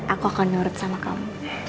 aku akan nurut sama kamu